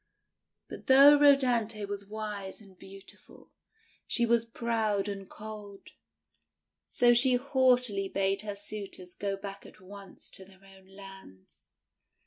But though Rhodanthe was wise and beautiful, she was proud and cold; so she haughtily bade her suitors go back at once to their own lands.